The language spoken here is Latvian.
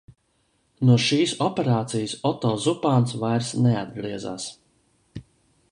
No šīs operācijas Otto Zupāns vairs neatgriezās.